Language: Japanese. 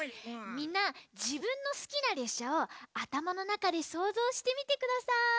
みんなじぶんのすきなれっしゃをあたまのなかでそうぞうしてみてください。